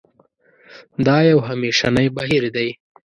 دا یو همېشنی بهیر دی.